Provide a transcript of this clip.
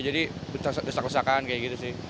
jadi desak desakan kayak gitu sih